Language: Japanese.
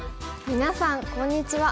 みなさんこんにちは。